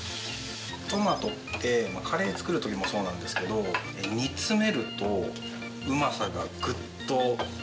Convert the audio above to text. トマトってカレー作る時もそうなんですけど煮詰めるとうまさがグッと増加するんですよ。